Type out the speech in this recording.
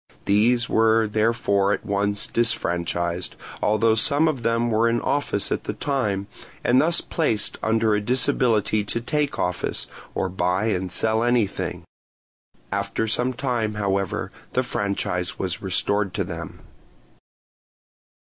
These were therefore at once disfranchised, although some of them were in office at the time, and thus placed under a disability to take office, or buy and sell anything. After some time, however, the franchise was restored to them.